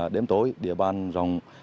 đếm tối địa bàn rồng